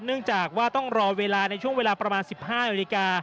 เนื่องจากว่าต้องรอเวลาในช่วงเวลาประมาณ๑๕นาฬิกา